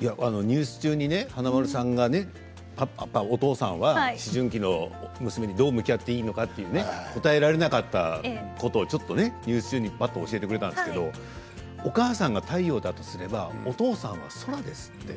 ニュース中にね華丸さんがねお父さんは思春期の娘にどう向き合っていいのかっていうね答えられなかったことをちょっとねニュース中にパッと教えてくれたんですけどお母さんが太陽だとすればお父さんは空ですって。